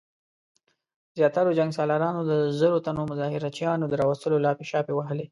زياتو جنګ سالارانو د زرو تنو مظاهره چيانو د راوستلو لاپې شاپې ووهلې.